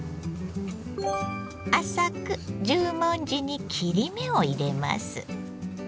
浅く十文字に切り目を入れます。